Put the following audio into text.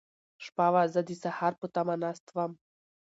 شپه وه، زه د سهار په تمه ناست وم.